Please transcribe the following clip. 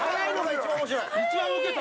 一番ウケた！